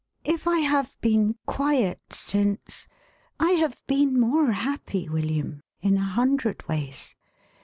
If I have been quiet since, I have been more happy, William, in a hundred ways.